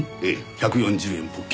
１４０円ポッキリ。